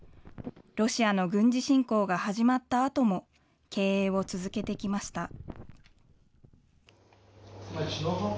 ロシアの軍事侵攻が始まったあとも、経営を続けてきました。